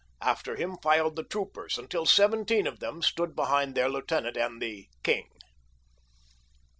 After him filed the troopers until seventeen of them stood behind their lieutenant and the "king."